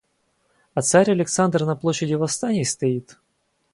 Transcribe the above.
А царь Александр на площади Восстаний стоит?